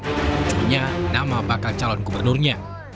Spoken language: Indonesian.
munculnya nama bakal calon gubernurnya